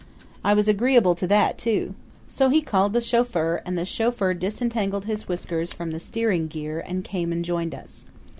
I was agreeable to that, too. So he called the chauffeur and the chauffeur disentangled his whiskers from the steering gear and came and joined us.